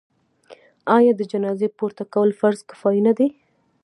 آیا د جنازې پورته کول فرض کفایي نه دی؟